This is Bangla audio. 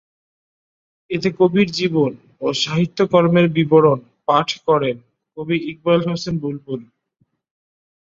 এতে কবির জীবন ও সাহিত্যকর্মের বিবরণ পাঠ করেন কবি ইকবাল হোসেন বুলবুল।